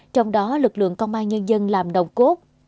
trong đó lực lượng công an nhân dân làm đồng cốt